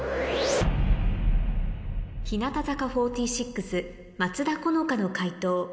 日向坂４６松田好花の解答